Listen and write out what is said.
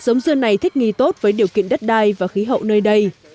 giống dưa này thích nghi tốt với điều kiện đất đai và khí hậu nơi đây